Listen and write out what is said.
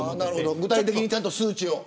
具体的にちゃんと数値を。